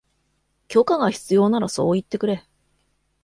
許可が必要ならそう言ってくれ